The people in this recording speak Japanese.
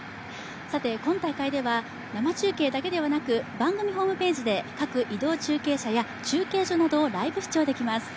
さて、今大会では生中継だけではなく、番組ホームページで各移動中継車などをライブ視聴できます。